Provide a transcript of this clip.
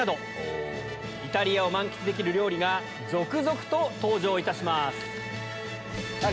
イタリアを満喫できる料理が続々と登場いたします。